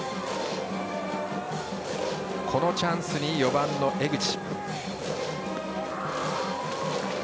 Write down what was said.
このチャンスに４番の江口。